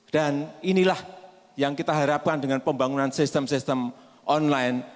dan inilah yang kita harapkan dengan pembangunan sistem sistem online